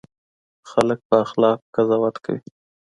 خلک په اخلاقو قضاوت کوي.